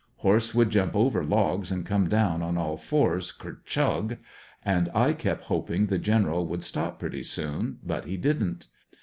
Horse would jump over logs and come down an all fours ker chug, and I kept hoping the general would stop pretty soon ; but he didn't.